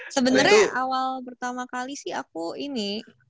sebenarnya awal pertama kali sih aku ini